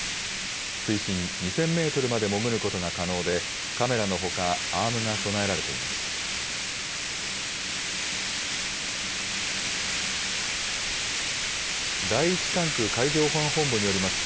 水深２０００メートルまで潜ることが可能で、カメラのほか、アームが備えられています。